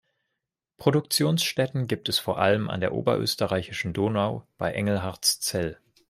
Produktionsstätten gibt es vor allem an der oberösterreichischen Donau bei Engelhartszell.